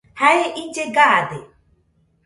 Jae ille gaade.